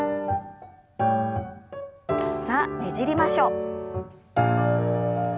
さあねじりましょう。